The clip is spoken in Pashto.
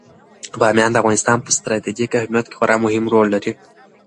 بامیان د افغانستان په ستراتیژیک اهمیت کې خورا مهم رول لري.